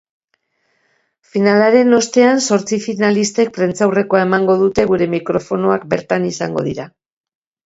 Finalaren ostean zortzi finalistek prentsaurrekoa emango dute gure mikrofonoak bertan izango dira.